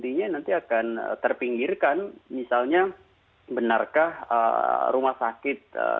dan intinya nanti akan terpinggirkan misalnya benarkah rumah sakit